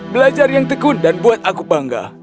belajar yang tekun dan buat aku bangga